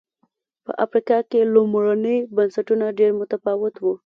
په افریقا کې لومړني بنسټونه ډېر متفاوت و.